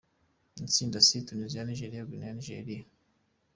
Itsinda C : Tunisia, Niger, Guinea, Nigeria.